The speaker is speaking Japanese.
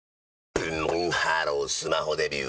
ブンブンハロースマホデビュー！